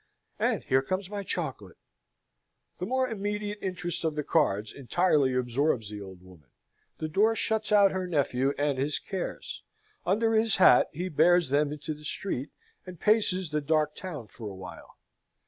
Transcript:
And here comes my chocolate!" The more immediate interest of the cards entirely absorbs the old woman. The door shuts out her nephew and his cares. Under his hat, he bears them into the street, and paces the dark town for a while.